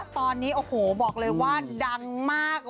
ตอนนี้โอ้โหบอกเลยว่าดังมาก